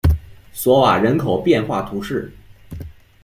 索瓦人口变化图示